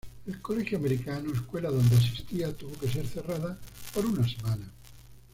El Colegio Americano, escuela donde asistía tuvo que ser cerrada por una semana.